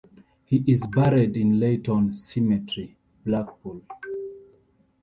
He is buried in Layton Cemetery, Blackpool.